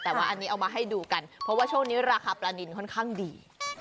แต่ว่าอันนี้เอามาให้ดูกันเพราะว่าช่วงนี้ราคาปลานินค่อนข้างดี